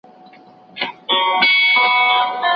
شپې له اوښکو سره رغړي ورځي وړي د عمر خښتي